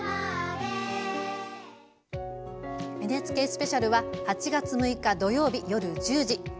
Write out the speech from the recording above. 「ＮＨＫスペシャル」は８月６日土曜日夜１０時。